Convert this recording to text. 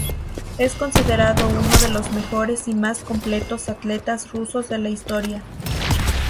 Es considerado uno de los mejores y más completos atletas rusos de la historia.